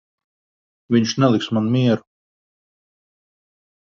Viņš neliks man mieru.